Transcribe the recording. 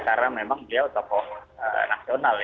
karena memang dia toko nasional ya